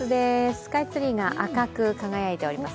スカイツリーが赤く輝いています。